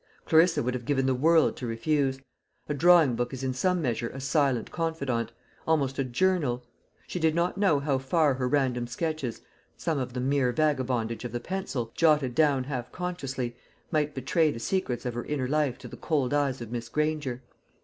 Clarissa would have given the world to refuse. A drawing book is in some measure a silent confidante almost a journal. She did not know how far her random sketches some of them mere vagabondage of the pencil, jotted down half unconsciously might betray the secrets of her inner life to the cold eyes of Miss Granger.